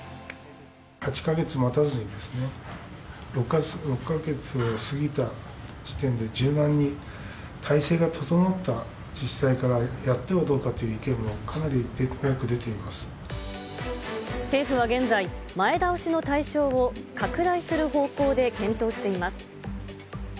８か月待たずに６か月を過ぎた時点で柔軟に体制が整った自治体からやってはどうかという意見政府は現在、前倒しの対象を拡大する方向で検討しています。